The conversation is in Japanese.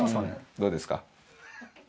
どうですか？